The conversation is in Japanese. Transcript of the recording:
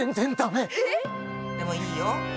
でもいいよ。